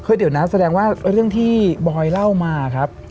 เดี๋ยวนะแสดงว่าเรื่องที่บอยเล่ามาครับ